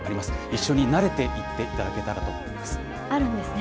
一緒に慣れていっていただけたらと思います。